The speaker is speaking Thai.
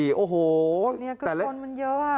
นี่คือคนมันเยอะ